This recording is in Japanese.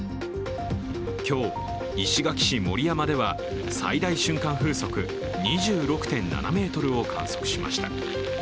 今日、石垣市盛山では最大瞬間風速２６．７メートルを観測しました。